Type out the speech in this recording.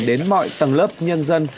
đến mọi tầng lớp nhân dân